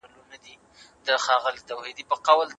خیر محمد په کار کې لوړ مقام ته ورسېد.